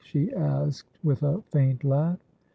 she asked with a faint laugh.